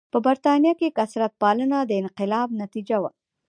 په برېټانیا کې کثرت پالنه د انقلاب نتیجه وه.